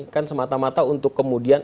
kan semata mata untuk kemudian